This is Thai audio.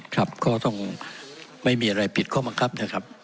ครับก็ต้องไม่มีอะไรผิดข้อบังคับนะครับ